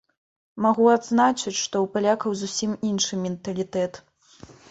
Магу адзначыць, што ў палякаў зусім іншы менталітэт.